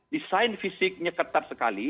desain fisiknya ketat sekali